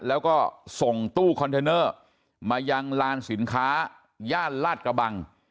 แล้วก็ส่งตู้คอนเทนเนอร์มายังลานสินค้าย่านลาดกระบัง